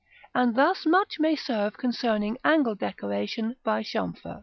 And thus much may serve concerning angle decoration by chamfer.